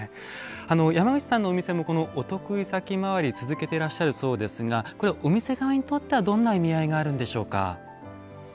山口さんのお店もお得意先回り続けていらっしゃるそうですがこれはお店側にとってはどんな意味合いがあるんでしょうか。